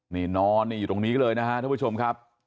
นี่นอนนี่อยู่ตรงนี้เลยนะครับท่านผู้ชมครับ